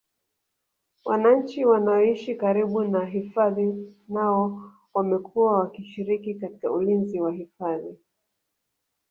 wananchi wanaoishi karibu na hifadhi nao wamekuwa wakishiriki katika ulinzi wa hifadhi